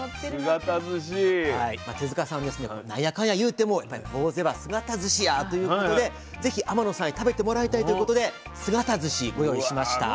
なんやかんやいうてもぼうぜは姿ずしやということでぜひ天野さんに食べてもらいたいということで姿ずしご用意しました。